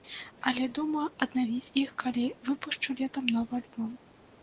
Але думаю аднавіць іх, калі выпушчу летам новы альбом.